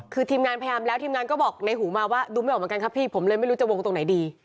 คือทีมงานพยายามแล้วทีมงานก็บอกในหูมาว่าดูไม่ออกเหมือนกันครับพี่ผมเลยไม่รู้จะวงตรงไหนดี